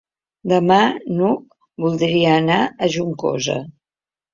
Demà n'Hug voldria anar a Juncosa.